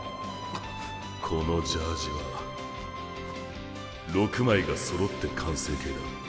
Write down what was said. このジャージは６枚が揃って完成形だ。